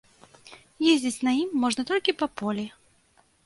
Ездзіць на ім можна толькі па полі.